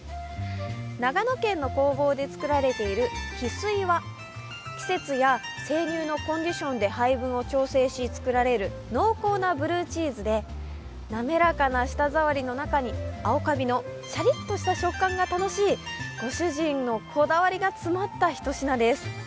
長野県の工房でつくられている翡翠は季節や生乳のコンディションで配分を調整し作られる濃厚なブルーチーズで滑らかな舌触りの中に青カビのシャリッとした食感が楽しいご主人のこだわりが詰まった一品です。